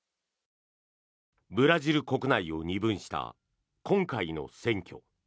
ブラジル国内を二分した今回の選挙。